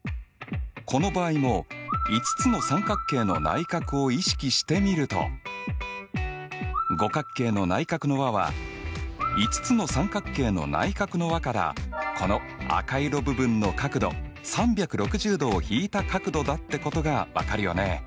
この場合も５つの三角形の内角を意識してみると五角形の内角の和は５つの三角形の内角の和からこの赤色部分の角度３６０°を引いた角度だってことが分かるよね。